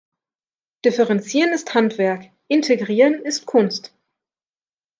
Differenzieren ist Handwerk, Integrieren ist Kunst!